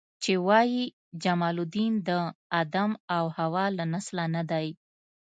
چې وایي جمال الدین د آدم او حوا له نسله نه دی.